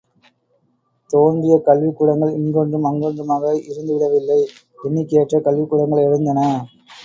தோன்றிய கல்விக்கூடங்கள் இங்கொன்றும் அங்கொன்றுமாக இருந்துவிடவில்லை, எண்ணிக்கையற்ற கல்விக் கூடங்கள் எழுந்தன.